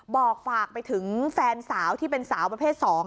ฝากไปถึงแฟนสาวที่เป็นสาวประเภท๒